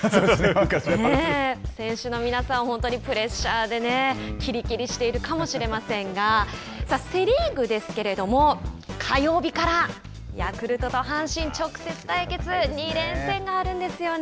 選手の皆さん本当にプレッシャーできりきりしているかもしれませんがさあ、セ・リーグですけれども火曜日から、ヤクルトと阪神直接対決、２連戦があるんですよね。